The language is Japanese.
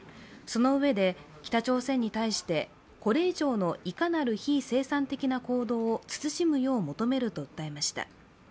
そのうえで北朝鮮に対して、これ以上のいかなる非生産的な行動を慎むよう求めると訴えました。